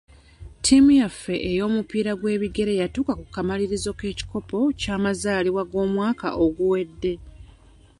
Ttiimu yaffe ey'omupiira gw'ebigere yatuuka ku kamalirizo k'ekikopo ky'amazaalibwa ag'omwaka oguwedde.